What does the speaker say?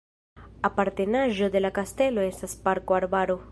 Apartenaĵo de la kastelo estas parko-arbaro.